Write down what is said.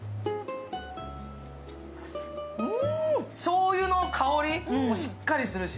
うん、しょうゆの香りもしっかりすると、